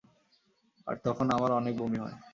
আর তখন আমার অনেক বমি হয়।